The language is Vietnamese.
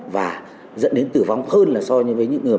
và dẫn đến tử vong hơn là so với những người